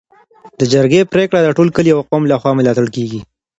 د جرګې پریکړه د ټول کلي او قوم لخوا ملاتړ کيږي.